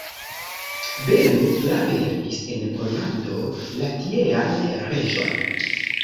Belo grave helpis en Pollando la tiean reĝon.